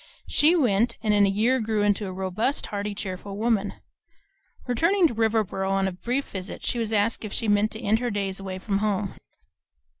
She went, and in a year grew into a robust, hearty, cheerful woman. Returning to Riverboro on a brief visit, she was asked if she meant to end her days away from home.